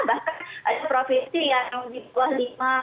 bahkan ada provinsi yang di bawah lima